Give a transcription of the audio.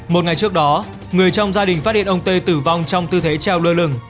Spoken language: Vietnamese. một ngày trước đó người trong gia đình phát hiện ông tê tử vong trong tư thế treo lơ lửng